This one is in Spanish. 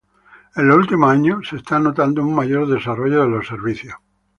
En los últimos años se está notando un mayor desarrollo de los servicios.